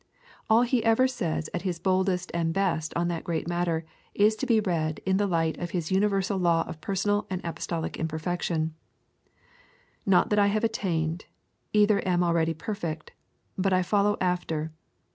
All he ever says at his boldest and best on that great matter is to be read in the light of his universal law of personal and apostolic imperfection Not that I have attained, either am already perfect; but I follow after.